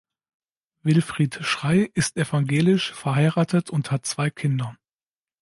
Wilfried Schrey ist evangelisch, verheiratet und hat zwei Kinder.